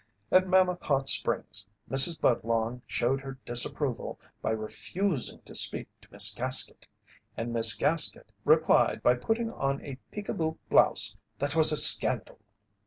At Mammoth Hot Springs Mrs. Budlong showed her disapproval by refusing to speak to Miss Gaskett, and Miss Gaskett replied by putting on a peek a boo blouse that was a scandal.